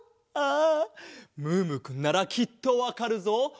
ああムームーくんならきっとわかるぞ。